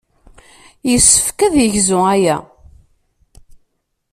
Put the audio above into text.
Yessefk ad yegzu aya.